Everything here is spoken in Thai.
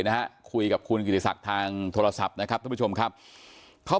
นะฮะคุยกับคุณกิติศักดิ์ทางโทรศัพท์นะครับท่านผู้ชมครับเขา